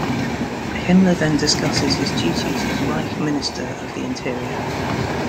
Himmler then discusses his duties as Reich minister of the interior.